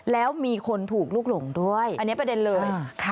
แล้วมีคนถูกลุกหลงด้วยอันนี้ประเด็นเลย